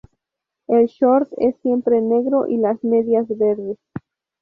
El short es siempre negro y las medias verdes.